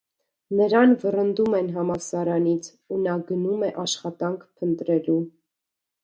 Նրան վռնդում են համալսարանից, ու նա գնում է աշխատանք փնտրելու։